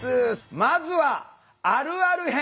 まずは「あるある編」。